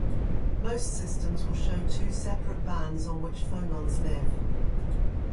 Most systems will show two separate bands on which phonons live.